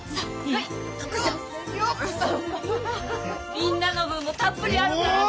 みんなの分もたっぷりあるからね。